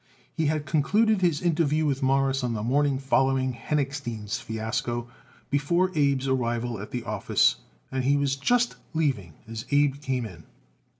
He had concluded his interview with Morris on the morning following Henochstein's fiasco, before Abe's arrival at the office, and he was just leaving as Abe came in.